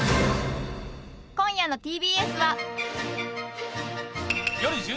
今夜のＴＢＳは！